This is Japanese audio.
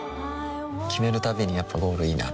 決めるたびにやっぱゴールいいなってふん